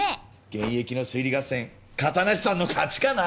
現役の推理合戦片無さんの勝ちかな？